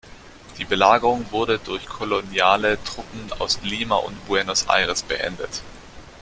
Die Belagerung wurde durch koloniale Truppen aus Lima und Buenos Aires beendet.